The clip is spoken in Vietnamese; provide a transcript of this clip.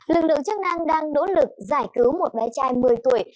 lực lượng chức năng đang nỗ lực giải cứu một bé trai một mươi tuổi